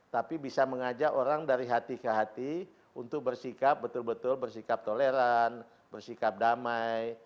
tapi bisa mengajak orang dari hati ke hati untuk bersikap betul betul bersikap toleran bersikap damai